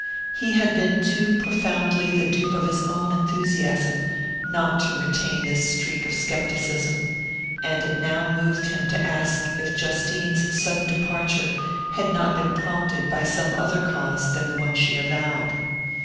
He had been too profoundly the dupe of his own enthusiasm not to retain this streak of scepticism, and it now moved him to ask if Justine's sudden departure had not been prompted by some other cause than the one she avowed.